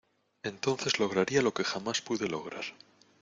entonces lograría lo que jamás pude lograr.